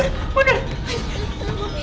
eh eh muda muda